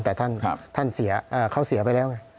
แต่ท่านเขาเสียไปแล้วไง